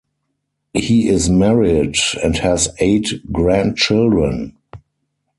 He is married and has eight grandchildren.